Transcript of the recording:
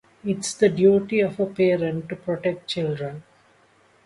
It's the duty of a parent to protect children.